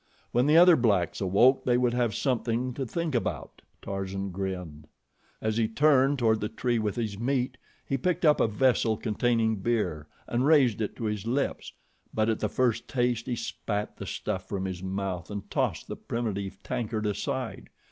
When the other blacks awoke they would have something to think about! Tarzan grinned. As he turned toward the tree with his meat, he picked up a vessel containing beer and raised it to his lips, but at the first taste he spat the stuff from his mouth and tossed the primitive tankard aside.